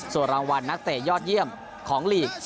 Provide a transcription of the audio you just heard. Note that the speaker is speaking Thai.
ส่วนรางวัลนักเตะยอดเยี่ยมของลีก